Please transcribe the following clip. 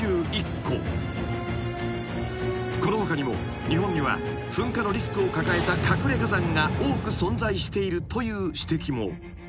［この他にも日本には噴火のリスクを抱えた隠れ火山が多く存在しているという指摘も］